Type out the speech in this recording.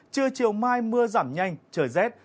trưa chiều mai mưa giảm nhanh trời rét